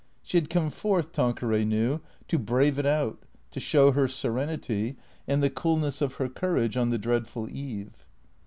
She had come forth, Tanqueray knew, to brave it out, to show her serenity, and the coolness of her courage on the dreadful eve.